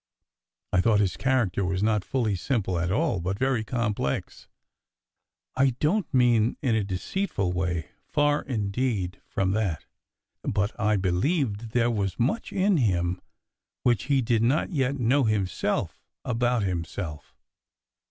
I thought his character was not really simple at all, but very complex. I don t mean in a deceitful way, far indeed from that; but I believed there was much in him which he did not yet know himself, about himself.